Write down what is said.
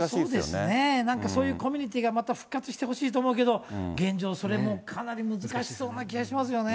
本当ですよね、そういうコミュニティーがまた復活してほしいと思うけど、現状、それもかなり難しそうな気がしますよね。